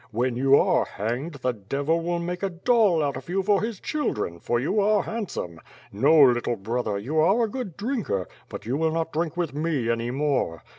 When you are hanged, the devil will make a doll out of you for his children, for you are handsome. No, little brother, you are a good drinker, but you will not drink with me any more.